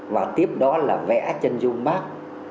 và tiếp đó là vẽ chân dung bác